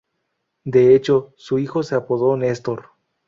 De hecho, su hijo se apodó Nestor.